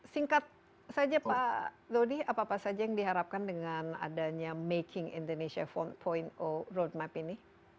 singkat saja pak dodi apa apa saja yang diharapkan dengan adanya making indonesia empat roadmap ini